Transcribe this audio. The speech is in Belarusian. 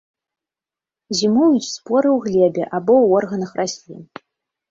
Зімуюць споры ў глебе або ў органах раслін.